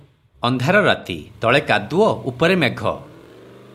ଅନ୍ଧାର ରାତି- ତଳେ କାଦୁଅ- ଉପରେ ମେଘ ।